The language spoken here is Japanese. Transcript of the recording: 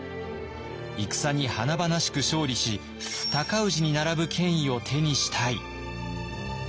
戦に華々しく勝利し尊氏に並ぶ権威を手にしたい。